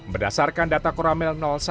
berdasarkan data koramel satu